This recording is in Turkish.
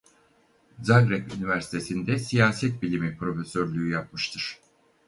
Zagreb Üniversitesi'nde Siyaset Bilimi Profesörlüğü yapmıştır.